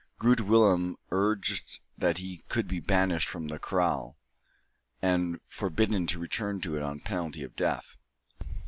Groot Willem urged that he could be banished from the kraal, and forbidden to return to it on penalty of death.